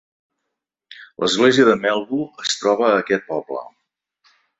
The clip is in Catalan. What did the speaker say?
L'església de Melbu es troba a aquest poble.